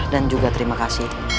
dan juga terima kasih